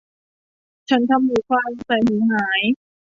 ฉันทำหูฟังใส่หูหาย